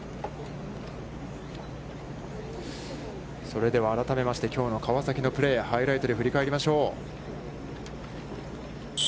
それでは改めまして、きょうの川崎のプレー、ハイライトで振り返りましょう。